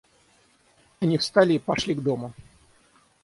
Они встали и пошли к дому.